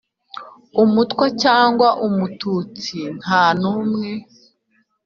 umutwa cyangwa umututsi nta n'umwe